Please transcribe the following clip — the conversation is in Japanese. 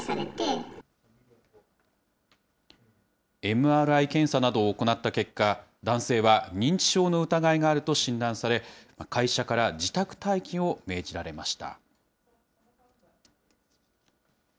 ＭＲＩ検査などを行った結果、男性は認知症の疑いがあると診断され、会社から自宅待機を命じられました。